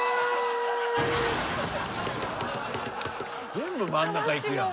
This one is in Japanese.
全部真ん中行くやん。